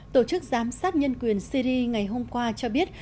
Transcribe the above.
tổ chức giám sát nhân quyền syri ngày hôm qua cho biết